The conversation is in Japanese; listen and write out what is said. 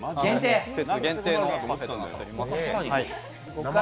季節限定のパフェとなっております。